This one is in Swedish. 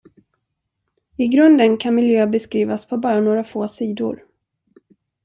I grunden kan miljö beskrivas på bara några få sidor.